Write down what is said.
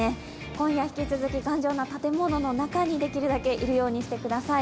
今夜引き続き、頑丈の建物中に、できるだけいるようにしてください。